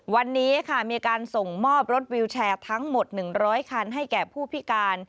วันนี้ค่ะมีการส่งมอบรถวิวแชร์ทั้งหมด๑๐๐คันให้แก่ผู้พิการ